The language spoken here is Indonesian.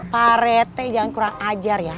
parete jangan kurang ajar ya